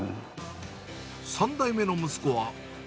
３代目の息子は。